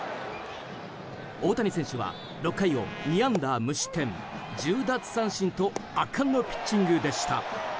大谷選手は６回を２安打無失点１０奪三振と圧巻のピッチングでした。